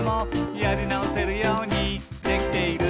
「やりなおせるようにできている」